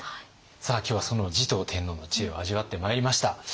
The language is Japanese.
さあ今日はその持統天皇の知恵を味わってまいりました。